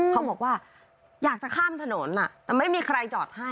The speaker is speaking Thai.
เขาบอกว่าอยากจะข้ามถนนแต่ไม่มีใครจอดให้